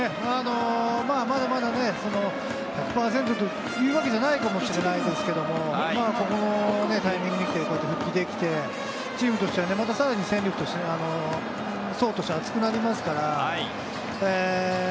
まだまだ１００％というわけではないかもしれないですけれど、このタイミングで復帰できて、チームとしてはさらに戦力として、層が厚くなりますから。